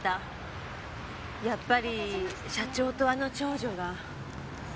やっぱり社長とあの長女が。